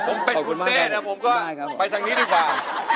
ผมเป็นคุณเต้นะผมก็ไปทางนี้ดีกว่า